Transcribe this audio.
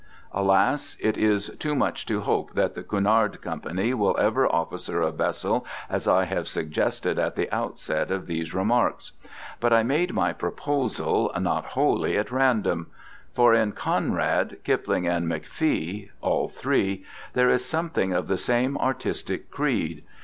Alas, it is too much to hope that the Cunard Company will ever officer a vessel as I have suggested at the outset of these remarks. But I made my proposal not wholly at random, for in Conrad, Kipling, and McFee, all three, there is something of the same artistic creed.